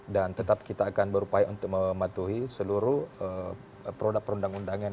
dan tetap kita akan berupaya untuk mematuhi seluruh produk perundang undangan